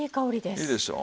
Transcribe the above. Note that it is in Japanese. いいでしょう。